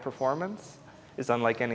performa sepanjang malam